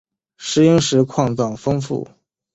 石英石矿藏丰富。